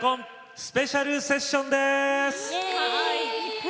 スペシャルセッションです。